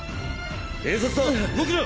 警察だ！